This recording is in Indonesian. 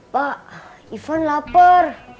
pak ivan lapar